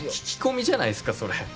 聞き込みじゃないっすかそれ。